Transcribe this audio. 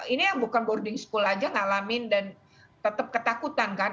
ini yang bukan boarding school aja ngalamin dan tetap ketakutan kan